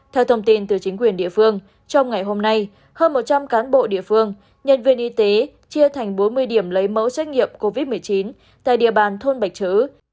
theo thông tin từ chính quyền địa phương trong ngày hôm nay hơn một trăm linh cán bộ địa phương nhân viên y tế chia thành bốn mươi điểm lấy mẫu xét nghiệm covid một mươi chín tại địa bàn thôn bạch trứ